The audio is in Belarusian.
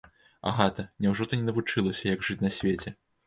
Агата, няўжо ты не навучылася, як жыць на свеце?